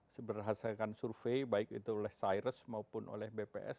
seberhasilkan survei baik itu oleh cyrus maupun oleh bps